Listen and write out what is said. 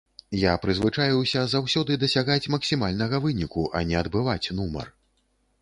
Я прызвычаіўся заўсёды дасягаць максімальнага выніку, а не адбываць нумар.